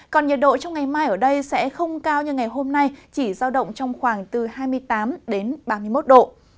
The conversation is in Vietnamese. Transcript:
còn nhiệt độ trong ngày mai ở đây sẽ không cao như ngày hôm nay chỉ giao động trong khoảng từ hai mươi tám ba mươi một độ